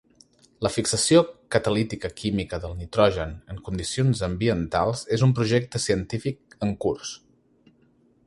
La fixació catalítica química del nitrogen en condicions ambientals és un projecte científic en curs.